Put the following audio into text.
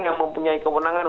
yang mempunyai kewenangan